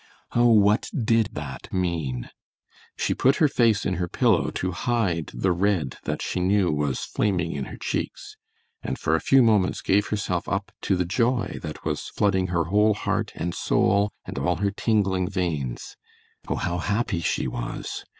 Oh, what did that mean? She put her face in her pillow to hide the red that she knew was flaming in her cheeks, and for a few moments gave herself up to the joy that was flooding her whole heart and soul and all her tingling veins. Oh, how happy she was.